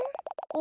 お？